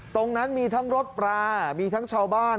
ตรงนั้นมีทั้งรถปลามีทั้งชาวบ้าน